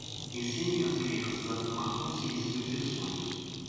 Ensinem as crianças a tomar consciência dos seus sonhos.